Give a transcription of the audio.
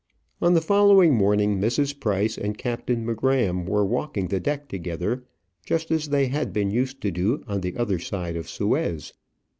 On the following morning, Mrs. Price and Captain M'Gramm were walking the deck together just as they had been used to do on the other side of Suez.